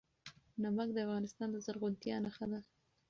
نمک د افغانستان د زرغونتیا نښه ده.